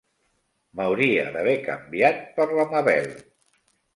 M'hauria d'haver canviat per la Mabel!